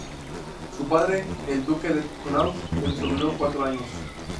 Su padre, el duque de Connaught, le sobrevivió cuatro años.